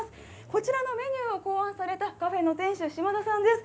こちらのメニューを考案されたカフェの店主、島田さんです。